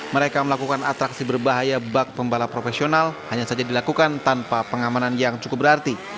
mereka melakukan atraksi berbahaya bak pembalap profesional hanya saja dilakukan tanpa pengamanan yang cukup berarti